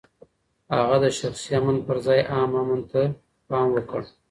هغه د شخصي امن پر ځای عام امن ته پام وکړ.